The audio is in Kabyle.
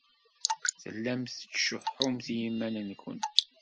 Tellamt tettcuḥḥumt i yiman-nwent.